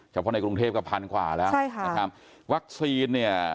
เฉพาะในกรุงเทพฯก็พันธุ์ขวาแล้วนะครับวัคซีนเนี่ย